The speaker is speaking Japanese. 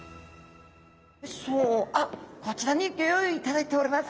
あっこちらにギョ用意いただいております。